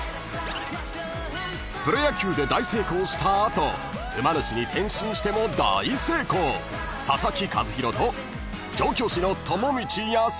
［プロ野球で大成功した後馬主に転身しても大成功佐々木主浩と調教師の友道康夫］